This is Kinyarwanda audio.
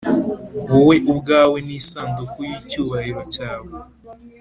wowe ubwawe n’isanduku y’icyubahiro cyawe